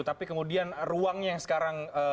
tapi kemudian ruangnya yang sekarang